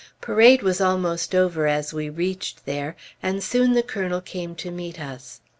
Parade was almost over as we reached there, and soon the Colonel came to meet us.